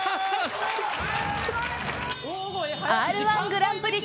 「Ｒ‐１グランプリ」